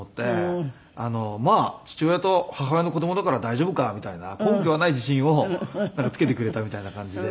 まあ父親と母親の子供だから大丈夫かみたいな根拠がない自信をつけてくれたみたいな感じで。